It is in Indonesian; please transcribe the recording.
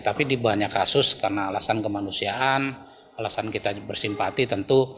tapi di banyak kasus karena alasan kemanusiaan alasan kita bersimpati tentu